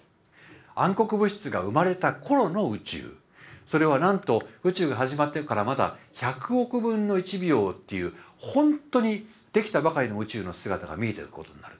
暗黒物質が生まれた頃の宇宙それはなんと宇宙が始まってからまだ１００億分の１秒っていうほんとにできたばかりの宇宙の姿が見えてることになる。